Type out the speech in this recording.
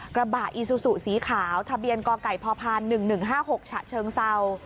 กระบะอีซูซูสีขาวทะเบียนกไก่พพ๑๑๕๖ฉะเชิงเศร้า